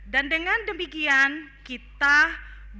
dan dengan demikian kita butuh dukungan dan alhamdulillah